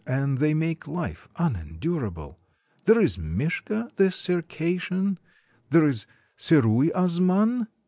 And they make Hfe un endurable. There is Mishka the Circassian, there is Sarui Azman